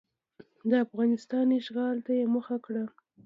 د افغانستان اشغال ته یې مخه کړه.